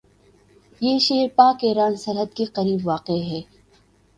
یہ شہر پاک ایران سرحد کے قریب واقع ہے